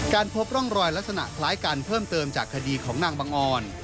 พบร่องรอยลักษณะคล้ายกันเพิ่มเติมจากคดีของนางบังออน